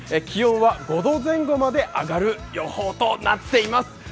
気温は５度前後まで上がる予報となっています。